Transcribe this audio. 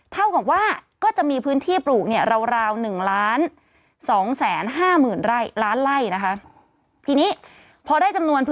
เท่ากับว่าก็จะมีพื้นที่ปลูกเนี่ยราว๑ล้าน